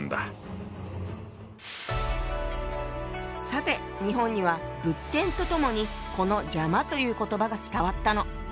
さて日本には仏典とともにこの「邪魔」という言葉が伝わったの。